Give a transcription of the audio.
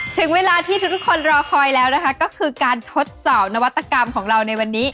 ถึงเวลาที่ทุกคนรอคอยแล้วนะคะก็คือการทดสอบนวัตกรรมของเราในวันนี้